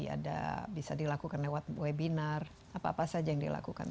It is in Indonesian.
ada bisa dilakukan lewat webinar apa apa saja yang dilakukan